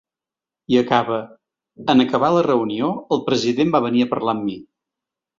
I acaba: En acabar la reunió, el president va venir a parlar amb mi.